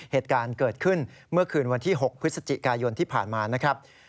เหตุการณ์เกิดขึ้นเมื่อคืนวันที่๖พฤศจิกายนที่ผ่านมานะครับ